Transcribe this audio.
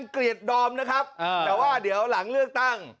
เกลียดดอมนะครับแต่ว่าเดี๋ยวหลังเลือกตั้ง